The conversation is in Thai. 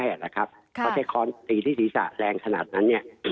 เขาใช้ค้อนตีที่ศีรษะแรงขนาดนั้น